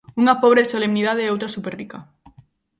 Unha pobre de solemnidade e outra superrica.